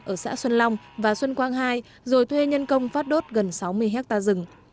ở xã xuân long và xuân quang hai rồi thuê nhân công phát đốt gần sáu mươi hectare rừng